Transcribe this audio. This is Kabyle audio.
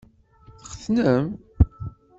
Txetnem?